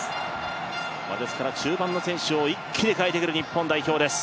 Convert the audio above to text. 中盤の選手を一気に代えてくる日本代表です。